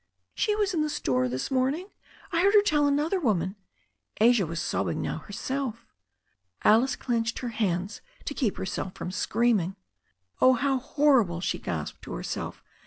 "She was in the store this morning. I heard her tell another woman " Asia was sobbing now herself. Alice clenched her hands to keep herself from screaming. "Oh, how horrible!" she gasped, to herself.